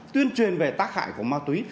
tuyên truyền về tác hại của ma túy